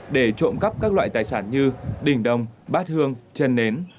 để trộm cắp các loại tài sản như đình đồng bát hương chân nến